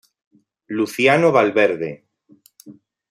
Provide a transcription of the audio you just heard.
Luciano Valverde.